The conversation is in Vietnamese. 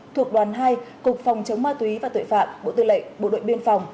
thuộc đoàn hai cục phòng chống ma túy và tuệ phạm bộ tư lệ bộ đội biên phòng